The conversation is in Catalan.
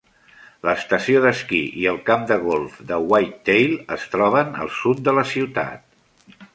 L'estació d'esquí i el camp de golf de Whitetail es troben al sud de la ciutat.